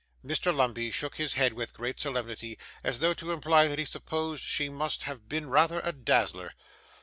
Mr. Lumbey shook his head with great solemnity, as though to imply that he supposed she must have been rather a dazzler.